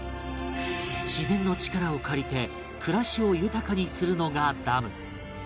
自然の力を借りて暮らしを豊かにするのがダム